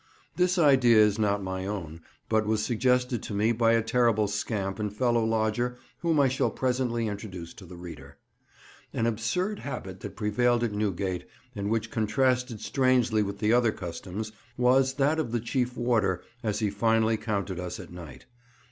This idea is not my own, but was suggested to me by a terrible scamp and fellow lodger whom I shall presently introduce to the reader. An absurd habit that prevailed at Newgate, and which contrasted strangely with the other customs, was that of the chief warder as he finally counted us at night.